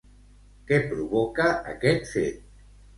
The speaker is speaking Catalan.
Què provoca, aquest fet?